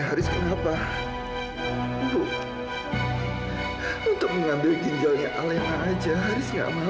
haris gak akan berada seperti yang ini